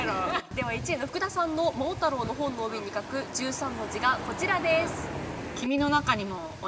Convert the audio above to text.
では１位の福田さんの『桃太郎』の本の帯に書く１３文字がこちらです。